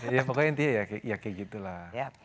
ya pokoknya intinya ya kayak gitu lah